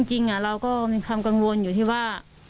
จริงเราก็มีความกังวลอยู่ที่ว่า